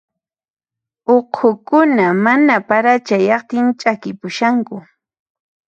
Uqhukuna mana para chayaqtin ch'akipushanku.